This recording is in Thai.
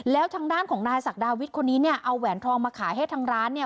แล้วทางด้านของนายศักดาวิทย์คนนี้เนี่ยเอาแหวนทองมาขายให้ทางร้านเนี่ย